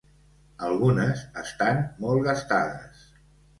Algunes estan molt gastades.